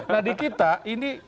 nah di kita ini